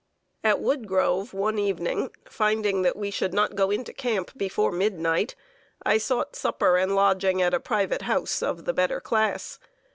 At Woodgrove, one evening, finding that we should not go into camp before midnight, I sought supper and lodging at a private house of the better class.